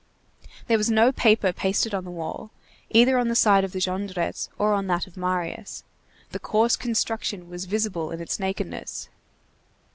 There was no paper pasted on the wall, either on the side of the Jondrettes or on that of Marius; the coarse construction was visible in its nakedness.